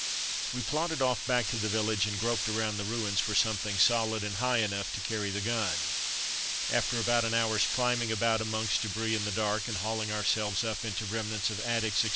We plodded off back to the village and groped around the ruins for something solid and high enough to carry the gun. After about an hour's climbing about amongst debris in the dark, and hauling ourselves up into remnants of attics, etc.